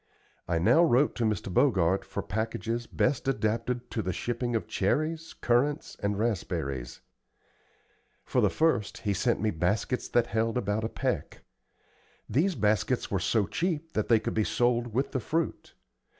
I now wrote to Mr. Bogart for packages best adapted to the shipping of cherries, currants, and raspberries. For the first he sent me baskets that held about a peck. These baskets were so cheap that they could be sold with the fruit.